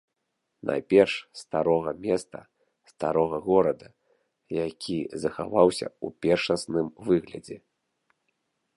Найперш, старога места, старога горада, які захаваўся ў першасным выглядзе.